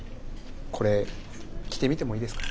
これ着てみてもいいですか？